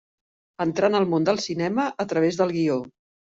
Entrà en el món del cinema a través del guió.